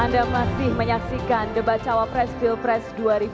anda masih menyaksikan debat cawapres pilpres dua ribu sembilan belas